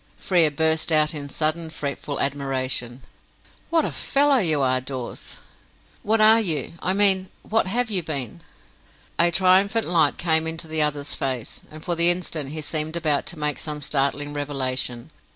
Frere burst out in sudden, fretful admiration: "What a fellow you are, Dawes! What are you I mean, what have you been?" A triumphant light came into the other's face, and for the instant he seemed about to make some startling revelation.